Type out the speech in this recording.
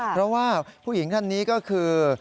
เพราะว่าผู้หญิงท่านนี้ก็คือ